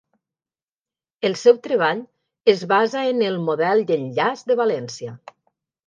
El seu treball es basa en el model d'enllaç de valència.